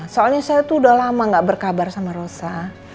soalnya saya tuh udah lama gak berkabar sama rosa